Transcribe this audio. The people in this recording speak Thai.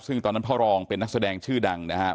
ซึ่งตอนนั้นพ่อรองเป็นนักแสดงชื่อดังนะครับ